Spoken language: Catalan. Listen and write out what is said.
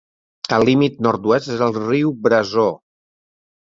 El límit nord-oest és el riu Brazeau.